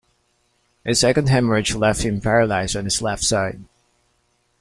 A second haemorrhage left him paralysed on his left side.